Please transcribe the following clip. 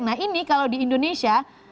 nah ini kalau di indonesia